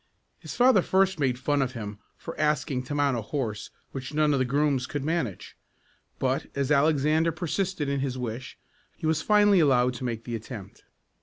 His father first made fun of him for asking to mount a horse which none of the grooms could manage; but, as Alexander persisted in his wish, he was finally allowed to make the attempt.